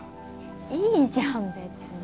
いいじゃん別に。